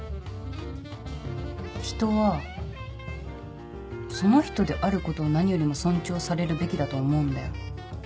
人は「その人」であることを何よりも尊重されるべきだと思うんだよ。